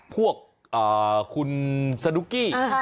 พวกอ่าคุณสุดุกี้